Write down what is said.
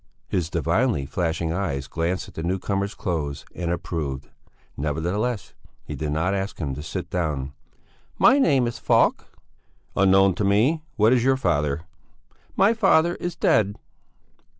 His divinely flashing eyes glanced at the newcomer's clothes and approved; nevertheless he did not ask him to sit down. "My name is Falk." "Unknown to me! What is your father?" "My father is dead."